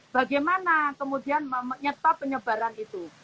bagaimana kemudian menyetop penyebaran itu